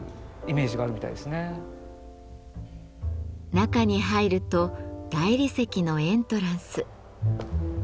中に入ると大理石のエントランス。